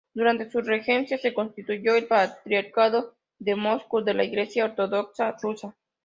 Durante su regencia se constituyó el Patriarcado de Moscú de la Iglesia Ortodoxa Rusa.